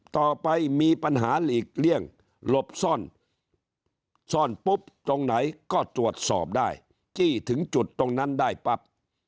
ต่อไปมีปัญหาหลีกเลี่ยงหลบซ่อนซ่อนปุ๊บตรงไหนก็ตรวจสอบได้จี้ถึงจุดตรงนั้นได้ปั๊บ